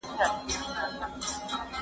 زه مخکي لیکل کړي وو؟